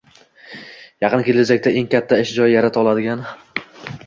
yaqin kelajakda eng katta ish joyi yarata oladigan